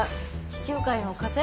地中海の風？